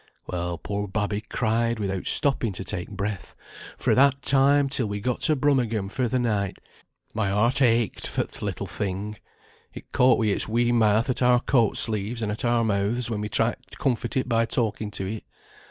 Well, poor babby cried without stopping to take breath, fra' that time till we got to Brummagem for the night. My heart ached for th' little thing. It caught wi' its wee mouth at our coat sleeves and at our mouths, when we tried t' comfort it by talking to it.